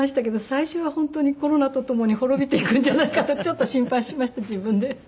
最初は本当にコロナとともに滅びていくんじゃないかとちょっと心配しました自分で。